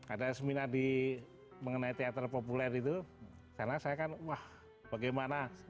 ada seminar mengenai teater populer itu karena saya kan wah bagaimana